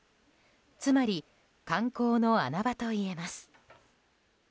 つまり観光の穴場といえます。